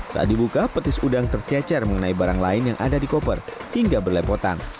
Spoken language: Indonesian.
saat dibuka petis udang tercecer mengenai barang lain yang ada di koper hingga berlepotan